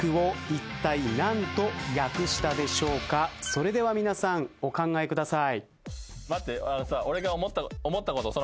それでは皆さんお考えください。